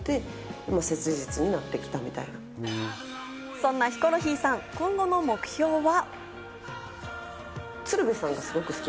そんなヒコロヒーさん、今後の目標は。